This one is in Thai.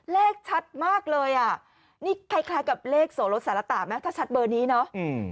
เลขชัดมากเลยอ่ะนี่คล้ายคล้ายกับเลขโสลดสารตะไหมถ้าชัดเบอร์นี้เนาะ